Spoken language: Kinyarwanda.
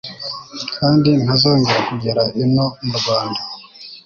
kandi ntazongera kugera ino murwanda